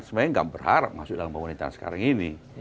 sebenarnya nggak berharap masuk dalam pemerintahan sekarang ini